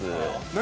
「何？